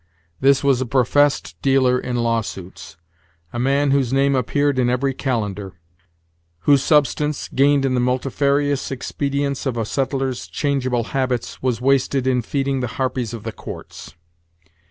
This was a professed dealer in lawsuits a man whose name appeared in every calendar whose substance, gained in the multifarious expedients of a settler's change able habits, was wasted in feeding the harpies of the courts.